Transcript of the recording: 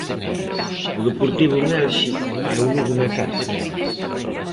O Deportivo en Elxe e o Lugo na casa.